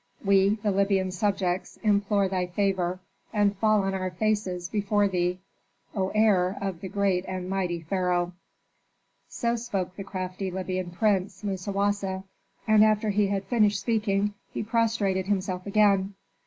We, thy Libyan subjects, implore thy favor and fall on our faces before thee, O heir of the great and mighty pharaoh." So spoke the crafty Libyan prince, Musawasa, and after he had finished speaking he prostrated himself again.